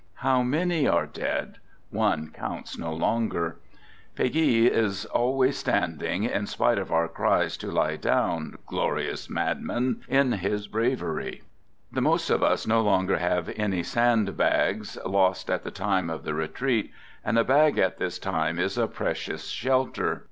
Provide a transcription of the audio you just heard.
How many are dead? One counts no longer. Peguy is always standing, in spite of our cries to " Lie down! " glorious madman, in his bravery. The most of us no longer have any sand bags, lost at the time of the retreat, and a bag at this time is "THE GOOD SOLDIER" 129 a precious shelter.